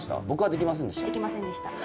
できませんでした。